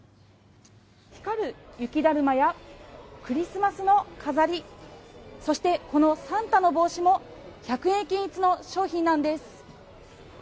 光る雪だるまやクリスマスの飾りそして、このサンタの帽子も１００円均一の商品なんです。